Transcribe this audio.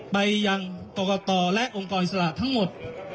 ไปยังกรกตและองค์กรอิสระทั้งหมด